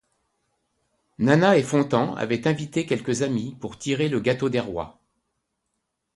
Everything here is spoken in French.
Nana et Fontan avaient invité quelques amis pour tirer le gâteau des Rois.